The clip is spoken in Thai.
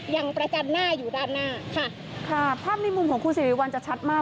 ยังประจันหน้าอยู่ด้านหน้าค่ะค่ะภาพในมุมของคุณสิริวัลจะชัดมาก